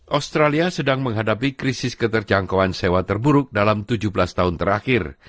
australia sedang menghadapi krisis keterjangkauan sewa terburuk dalam tujuh belas tahun terakhir